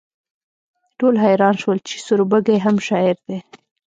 ټول حیران شول چې سوربګی هم شاعر دی